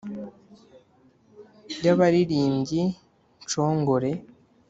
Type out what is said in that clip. y'abalirimbyi nshongore ;